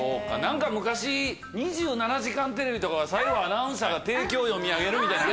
昔『２７時間テレビ』とか最後アナウンサーが提供を読み上げるみたいなね。